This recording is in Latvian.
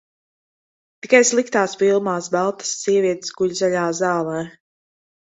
Tikai sliktās filmās baltas sievietes guļ zaļā zālē.